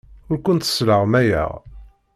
Ur kent-sleɣmayeɣ.